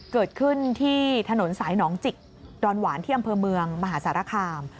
เกิดขึ้นที่ถนนสายหนองจิกดอนหวานที่อำเภอเมืองมหาสารคาม